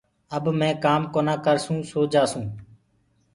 مين اب ڪآم ڪونآ ڪرسون سو جآسون